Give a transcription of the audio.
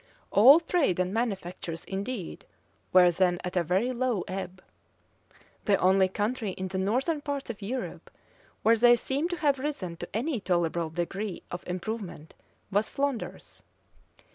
All trade and manufactures, indeed, were then at a very low ebb. The only country in the northern parts of Europe, where they seem to have risen to any tolerable degree of improvement, was Flanders.